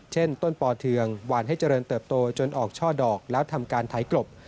เช่นต้นปอเทืองหวานให้เจริญเติบโตจนออกช่อดอกแล้วทำการไถกลบ